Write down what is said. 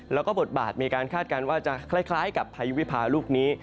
แล้วก็บทบาทมีการคาดการณ์ว่าจะคล้ายกับพายุวิพาลูกนี้